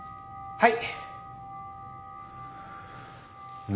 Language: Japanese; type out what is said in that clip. はい。